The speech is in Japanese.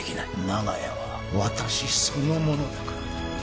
長屋は私そのものだからだ。